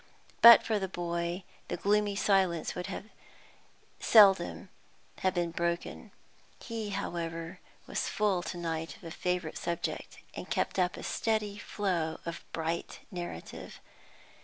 But for the boy, the gloomy silence would seldom have been broken. He, however, was full to night of a favourite subject, and kept up a steady flow of bright narrative.